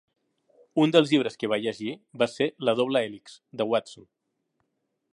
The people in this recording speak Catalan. Un dels llibres que va llegir va ser "La Doble Hèlix", de Watson.